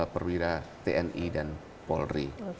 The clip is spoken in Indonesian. perwira tni dan polri